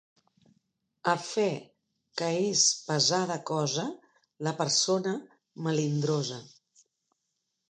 A fe que és pesada cosa la persona melindrosa.